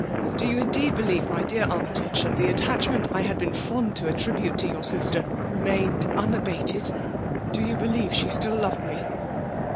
Do you indeed believe} my dear Am^tagc, that the attachment I had been fond to attribute to your sislier, re^ mained unabated? Do you brieve she still loved mo?